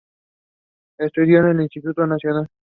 Estudió en el Instituto Nacional.